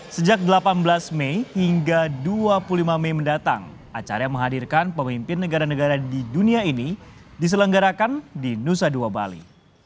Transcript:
sejak delapan belas mei hingga dua puluh lima mei mendatang acara yang menghadirkan pemimpin negara negara di dunia ini diselenggarakan di nusa dua bali